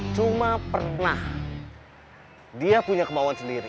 cuma pernah dia punya kemauan sendiri